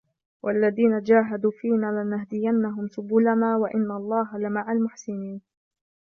والذين جاهدوا فينا لنهدينهم سبلنا وإن الله لمع المحسنين